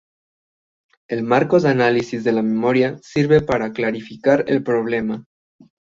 El marco del análisis de la memoria sirve para clarificar el problema.